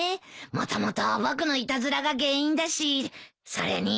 もともと僕のいたずらが原因だしそれに。